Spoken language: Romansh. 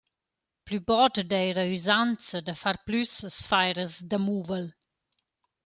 Plü bod d’eira üsanza da far plüssas fairas da muvel.